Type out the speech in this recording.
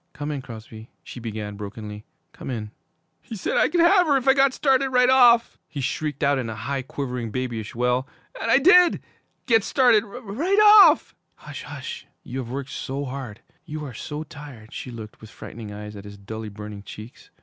'Come in Crosby ' she began brokenly, 'come in ' 'He said I could have her if I got started right off!' he shrieked out in a high, quivering, babyish wail, 'and I did get started right off ' 'Hush hush! You have worked so hard! You are so tired!' She looked, with frightened eyes, at his dully burning cheeks.